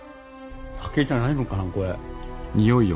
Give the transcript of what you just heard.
酒じゃないのかなこれ。